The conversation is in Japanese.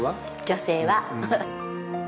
女性は！